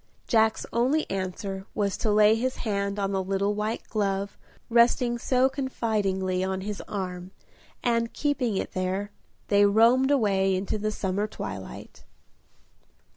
Jack's only answer was to lay his hand on the little white glove resting so confidingly on his arm, and, keeping it there, they roamed away into the summer twilight.